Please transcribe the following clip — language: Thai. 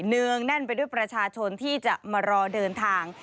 เนื่องแน่นไปด้วยประชาชนที่จะมารอเดินทาง